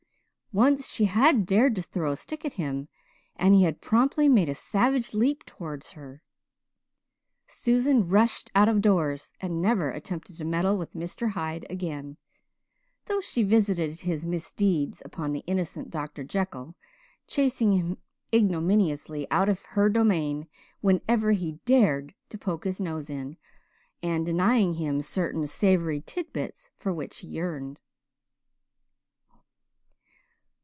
Once she had dared to throw a stick at him and he had promptly made a savage leap towards her. Susan rushed out of doors and never attempted to meddle with Mr. Hyde again though she visited his misdeeds upon the innocent Dr. Jekyll, chasing him ignominiously out of her domain whenever he dared to poke his nose in and denying him certain savoury tidbits for which he yearned.